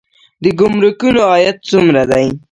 د ګمرکونو عاید څومره دی؟